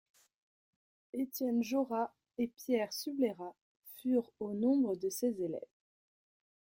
Étienne Jeaurat et Pierre Subleyras furent au nombre de ses élèves.